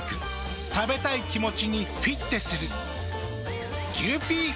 食べたい気持ちにフィッテする。